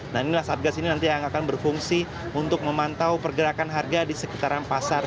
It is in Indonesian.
nah inilah satgas ini nanti yang akan berfungsi untuk memantau pergerakan harga di sekitaran pasar